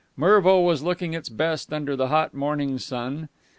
Mervo was looking its best under the hot morning sun.